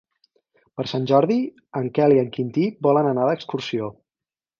Per Sant Jordi en Quel i en Quintí volen anar d'excursió.